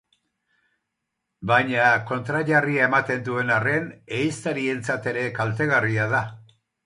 Baina kontrajarria ematen duen arren, ehiztarientzat ere kaltegarria da.